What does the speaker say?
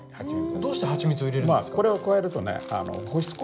どうしてハチミツを入れるんですか？